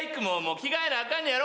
着替えなアカンのやろ？